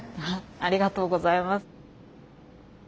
ありがとうございます。